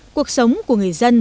cuộc sống của người dân